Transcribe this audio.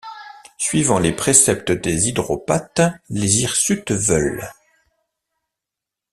Suivant les préceptes des Hydropathes, les Hirsutes veulent.